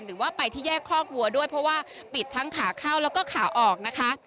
หรือว่าไปที่แยกคอกวัวด้วยเพราะว่าปิดทั้งขาเข้าแล้วก็ขาออกนะคะ